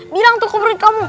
bilang tuh ke padanya kamu